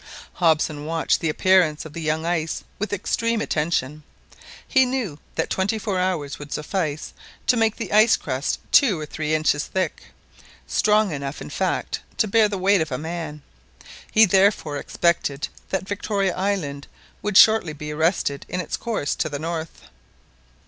Hobson watched the appearance of the "young ice" with extreme attention. He knew that twenty four hours would suffice to make the ice crust two or three inches thick, strong enough in fact to bear the weight of a man He therefore expected that Victoria Island would shortly be arrested in its course to the north.